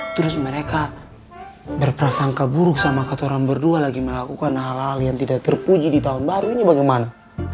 terus mereka berprasangka buruk sama kata orang berdua lagi melakukan hal hal yang tidak terpuji di tahun baru ini bagaimana